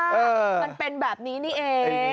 มันเป็นแบบนี้นี่เอง